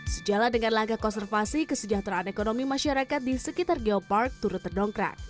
sejalan dengan laga konservasi kesejahteraan ekonomi masyarakat di sekitar geopark turut terdongkrak